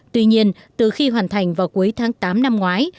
tuy nhiên từ khi hoàn thành vào cuối tháng tám năm ngoái